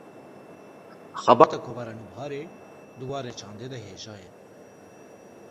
Xebata Kovara Nûbiharê, di warê çandê de hêja ye